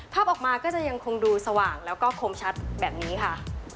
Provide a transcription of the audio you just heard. ภาพออกมาก็จะยังคงดูสว่างแล้วก็คมชัดแบบนี้ค่ะ